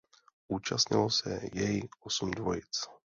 Účastnilo se jej osm dvojic.